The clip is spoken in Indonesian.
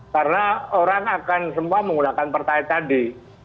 karena orang akan semua menggunakan pertalit tadi